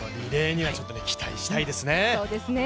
リレーには期待したいですね。